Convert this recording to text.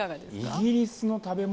イギリスの食べ物。